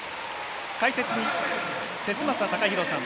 解説に節政貴弘さん。